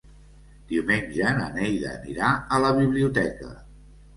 Diumenge na Neida anirà a la biblioteca.